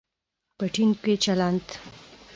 په ټیم کې چلند